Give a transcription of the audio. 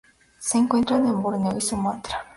Se encuentra en Borneo y Sumatra.